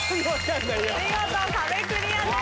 見事壁クリアです。